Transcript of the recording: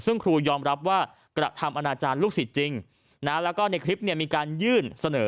ซึ่งครูยอมรับว่ากระดับธรรมอาจารย์ลูกสิทธิ์จริงแล้วก็ในคลิปมีการยื่นเสนอ